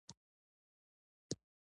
سړی شکر ویلی.